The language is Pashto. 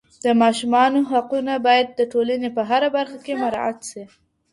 د ماشومانو حقونه باید د ټولني په هره برخه کي مراعات سي.